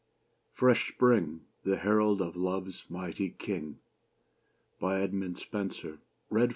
Fresh Spring, the herald of love's mighty king Edmund Spenser (1552?